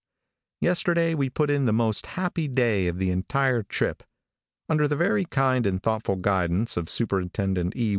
Yesterday we put in the most happy day of the entire trip. Under the very kind and thoughtful guidance of Superintendent E.